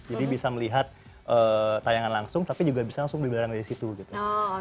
jadi bisa melihat tayangan langsung tapi juga bisa langsung dibelarang dari situ gitu